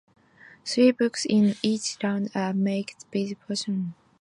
Three blocks in each round are marked with diamonds and cannot be crushed.